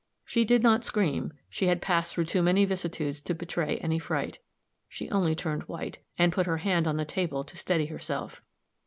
She did not scream; she had passed through too many vicissitudes to betray any fright; she only turned white, and put her hand on the table to steady herself.